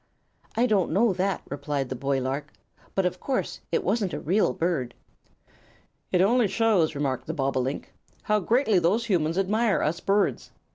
"I don't know that," replied the boy lark; "but of course it wasn't a real bird." "It only shows," remarked the bobolink, "how greatly those humans admire us birds.